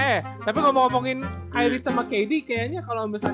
eh tapi gua mau ngomongin kairi sama kd kayaknya kalo misalnya musim depan mereka pijat ya